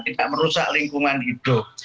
tidak merusak lingkungan hidup